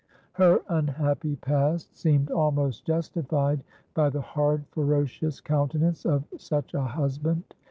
Her unhappy past seemed almost justified by the hard ferocious countenance of such a husband.